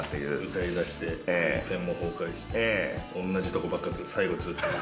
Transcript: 歌いだして涙腺も崩壊しておんなじとこばっか最後ずっと。